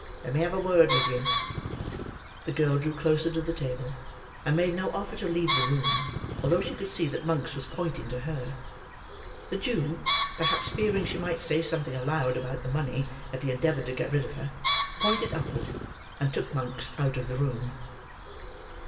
Let me have a word with you." The girl drew closer to the table, and made no offer to leave the room, although she could see that Monks was pointing to her. The Jew: perhaps fearing she might say something aloud about the money, if he endeavoured to get rid of her: pointed upward, and took Monks out of the room.